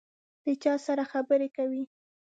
د چا سره خبري کوې ؟